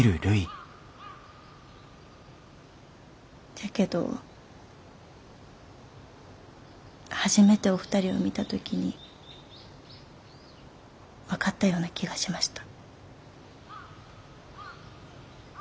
じゃけど初めてお二人を見た時に分かったような気がしました。